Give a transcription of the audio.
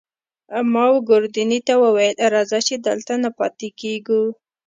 ما وه ګوردیني ته وویل: راځه، چې دلته نه پاتې کېږو.